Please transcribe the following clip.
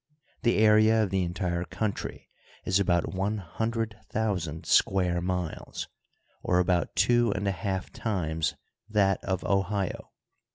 The area of the entire country is about one hundred thousand square miles, or about two and a half times that of Ohio.